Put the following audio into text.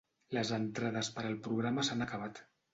Les entrades per al programa s'han acabat.